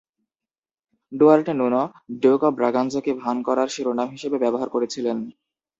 ডুয়ার্টে Nuno "duke of ব্রাগাঞ্জা"কে ভান করার শিরোনাম হিসেবে ব্যবহার করেছিলেন।